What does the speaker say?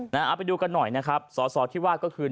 เอาไปดูกันหน่อยนะครับสอสอที่ว่าก็คือ